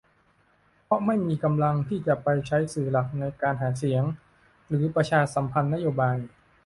เพราะไม่มีกำลังที่จะไปใช้สื่อหลักในการหาเสียง หรือ ประชาสัมพันธ์นโยบาย